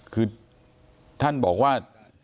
คือท่านบอกว่า